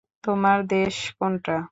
তোমার দেশ কোনটা?